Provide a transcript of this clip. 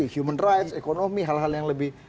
human rights ekonomi hal hal yang lebih